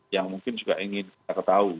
yang mungkin juga ingin kita ketahui